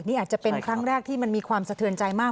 นี่อาจจะเป็นครั้งแรกที่มันมีความสะเทือนใจมาก